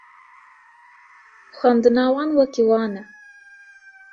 Xwendina wan wekî wan e